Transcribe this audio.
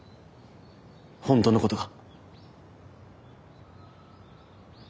本当のことが。